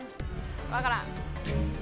わからん。